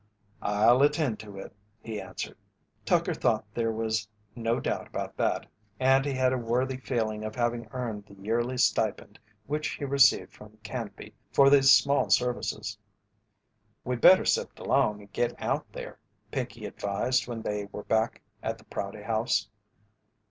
"I'll attend to it," he answered. Tucker thought there was no doubt about that, and he had a worthy feeling of having earned the yearly stipend which he received from Canby for these small services. "We'd better sift along and git out there," Pinkey advised when they were back at the Prouty House.